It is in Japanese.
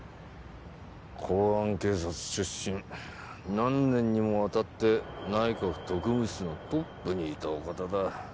公安警察出身何年にもわたって内閣特務室のトップにいたお方だ。